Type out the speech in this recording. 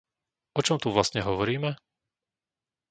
O čom tu vlastne hovoríme?